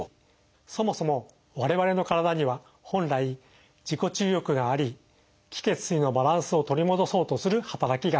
そもそも我々の体には本来自己治癒力があり「気・血・水」のバランスを取り戻そうとする働きがあります。